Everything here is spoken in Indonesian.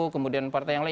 kemudian partai yang lain